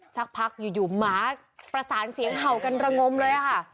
สักพักอยู่หมาประสานเสียงเห่ากันระงมเลยค่ะ